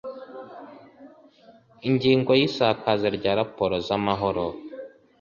Ingingo ya isakaza rya raporo za mahoro